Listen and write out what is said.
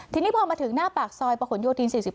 ทีนี้พอมาถึงหน้าปากซอยประหลโยธิน๔๔